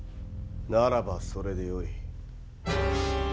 ならばそれでよい。